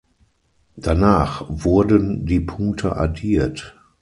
Danach wurden die Punkte addiert.